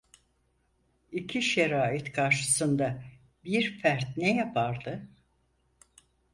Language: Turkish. İki şerait karşısında bir fert ne yapardı?